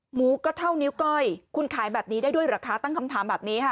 หมูก็เท่านิ้วก้อยคุณขายแบบนี้ได้ด้วยเหรอคะตั้งคำถามแบบนี้ค่ะ